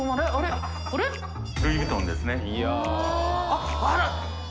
あら！